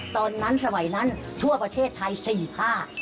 ตอนนั้นสมัยนั้นทั่วประเทศไทย๔ภาค